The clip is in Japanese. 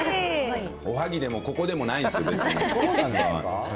おはぎでも、ここでもないです、別に。